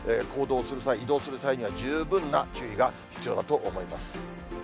行動をする際、移動する際には十分な注意が必要だと思います。